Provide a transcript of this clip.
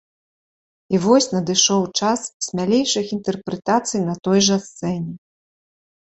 І вось надышоў час смялейшых інтэрпрэтацый на той жа сцэне.